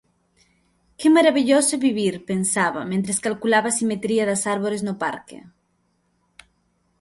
Que marabilloso é vivir _pensaba_ mentres calculaba a simetría das árbores no parque.